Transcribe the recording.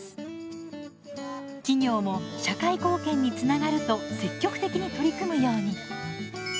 企業も社会貢献につながると積極的に取り組むように。